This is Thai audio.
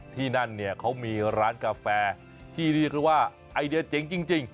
ที่นั่นเนี่ยเขามีร้านกาแฟที่เรียกได้ว่าไอเดียเจ๋งจริง